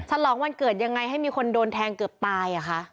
ฉลองวันเกิดยังไงให้มีคนโดนแทงเกือบตายอ่ะคะ